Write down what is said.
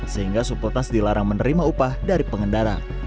sehingga supletas dilarang menerima upah dari pengendara